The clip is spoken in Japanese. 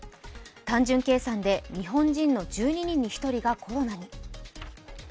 単純計算で日本人の１２人に１人がコロナに。